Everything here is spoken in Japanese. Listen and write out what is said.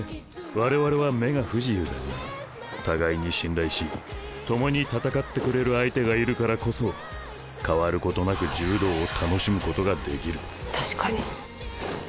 われわれは、目が不自由だが互いに信頼しともに戦ってくれる相手がいるからこそ変わることなく柔道を楽しむことができる。